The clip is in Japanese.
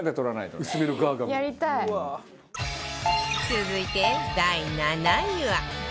続いて第７位は